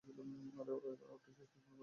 আর এটা ওরা শেষ পর্যন্ত করেছিল।